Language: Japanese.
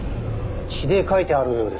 血で書いてあるようですね。